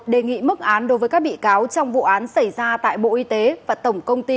đề nghị mức án đối với các bị cáo trong vụ án xảy ra tại bộ y tế và tổng công ty